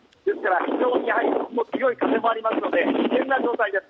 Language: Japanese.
非常に強い風もありますので危険な状態です。